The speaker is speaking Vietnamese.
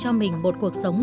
cho mình một cuộc sống